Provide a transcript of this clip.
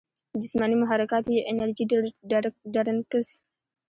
جسماني محرکات ئې انرجي ډرنکس ،